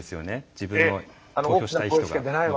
自分の投票したい人が。